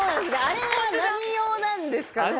あれは何用なんですかね？